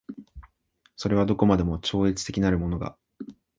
それはどこまでも超越的なるものが